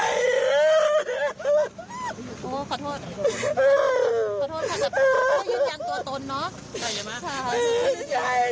ยังไม่ทราบสาเหตุของการทะเลาะกันใช่ไหม